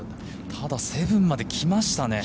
ただ、７まできましたね。